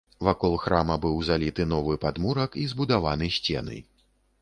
Вакол храма быў заліты новы падмурак і збудаваны сцены.